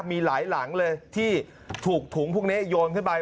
มีหลายหลังเลยที่ถูกถุงพวกนี้โยนขึ้นไป